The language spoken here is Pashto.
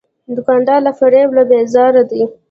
دوکاندار له فریب نه بیزاره دی.